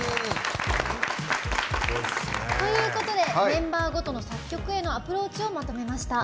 ということでメンバーごとの作曲へのアプローチをまとめました。